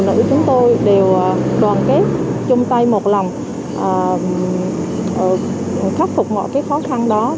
hãy đăng ký kênh để ủng hộ kênh của mình nhé